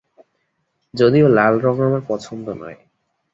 যদিও লাল রং আমার পছন্দ নয়।